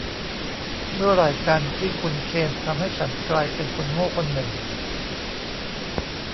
เมื่อไหร่กันที่คุณเคนทำให้ฉันกลายเป็นคนโง่คนหนึ่ง